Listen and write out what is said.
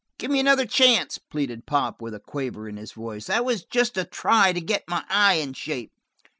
"Gimme another chance!" pleaded Pop, with a quaver in his voice. "That was just a try to get my eye in shape."